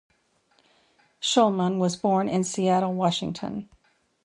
Shulman was born in Seattle, Washington.